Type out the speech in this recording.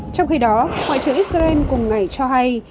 trong khi đó ngoại trưởng israel cùng ngày cho hay